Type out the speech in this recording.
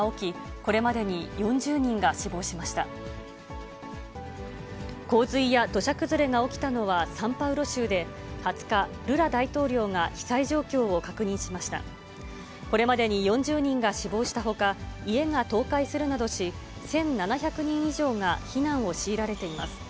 これまでに４０人が死亡したほか、家が倒壊するなどし、１７００人以上が避難を強いられています。